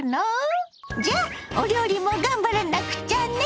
じゃあお料理も頑張らなくちゃね！